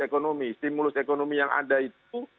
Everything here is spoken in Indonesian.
ekonomi stimulus ekonomi yang ada itu